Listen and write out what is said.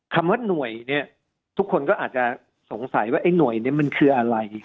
คำว่าหน่วยเนี่ยทุกคนก็อาจจะสงสัยว่าไอ้หน่วยนี้มันคืออะไร